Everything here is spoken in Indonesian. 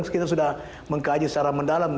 kita sudah mengkaji secara mendalam